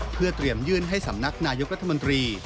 เพื่อเตรียมยื่นให้สำนักนายกรัฐมนตรี